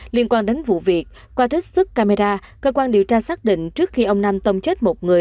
liên quan đến vụ việc qua trích xuất camera cơ quan điều tra xác định trước khi ông nam tông chết một người